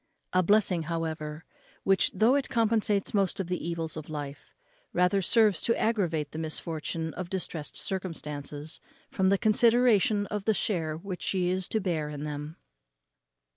A blessing, however, which, though it compensates most of the evils of life, rather serves to aggravate the misfortune of distressed circumstances, from the consideration of the share which she is to bear in them.